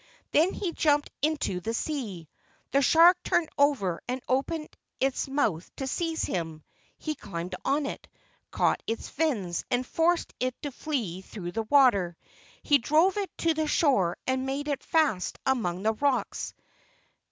Then he jumped into the sea. The shark turned over and opened its mouth to seize him; he climbed on it, caught its fins, and forced it to flee through the water. He drove it to the shore and made it fast among the rocks.